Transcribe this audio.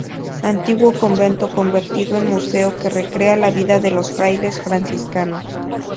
Antiguo convento convertido en museo que recrea la vida de los frailes franciscanos.